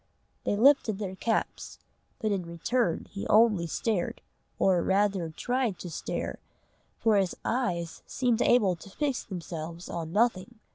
They lifted their caps, but in return he only stared, or rather tried to stare, for his eyes seemed able to fix themselves on nothing.